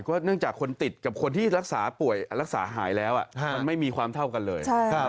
ก็เนื่องจากคนติดกับคนที่รักษาหายแล้วไม่มีความเท่ากันเลย